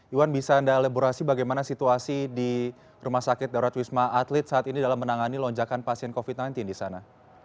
iwan bisa anda elaborasi bagaimana situasi di rumah sakit darurat wisma atlet saat ini dalam menangani lonjakan pasien covid sembilan belas di sana